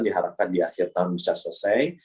diharapkan di akhir tahun bisa selesai